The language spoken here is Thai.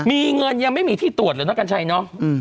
มีเงินยังไม่มีที่ตรวจเลยนะกัญชัยเนาะ